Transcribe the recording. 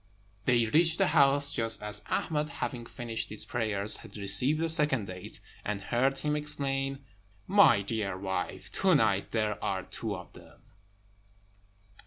They reached the house just as Ahmed, having finished his prayers, had received the second date, and heard him exclaim, "My dear wife, to night there are two of them!"